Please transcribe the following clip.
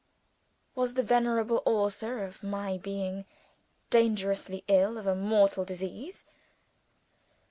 Was the venerable author of my being dangerously ill of a mortal disease?